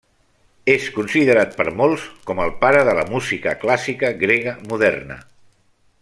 És considerat per molts com el pare de la música clàssica grega moderna.